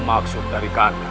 hmm baiklah kak kandas